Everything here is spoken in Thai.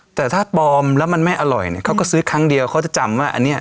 แต่ถ้าปลอมแล้วมันไม่อร่อยเนี่ยเขาก็ซื้อครั้งเดียวเขาจะจำว่าอันนี้